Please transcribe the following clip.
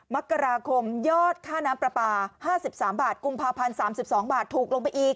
มกราคมยอดค่าน้ำประปาห้าสิบสามบาทกุมภาพันธ์สามสิบสองบาทถูกลงไปอีก